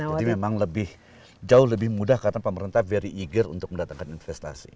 jadi memang lebih jauh lebih mudah karena pemerintah very eager untuk mendatangkan investasi